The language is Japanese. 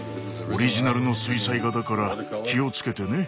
オリジナルの水彩画だから気を付けてね。